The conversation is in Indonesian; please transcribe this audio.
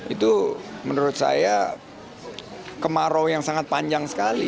itu menurut saya kemarau yang sangat panjang sekali